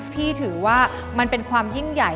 ถือว่ามันเป็นความยิ่งใหญ่